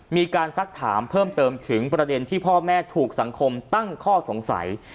มีการซักถามเพิ่มเติมถึงประเด็นที่พ่อแม่ถูกสังคมตั้งข้อสงสัย